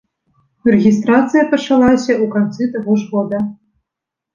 Рэгістрацыя пачалася ў канцы таго ж года.